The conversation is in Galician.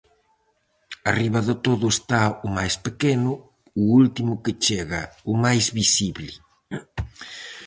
Arriba de todo está o máis pequeno, o último que chega, o máis visible.